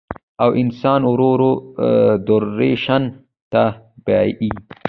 او انسان ورو ورو ډپرېشن ته بيائي